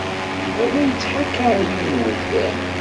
Yuba la yettḥakaṛ yiwen n wegḍiḍ.